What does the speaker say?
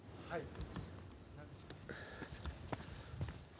はい。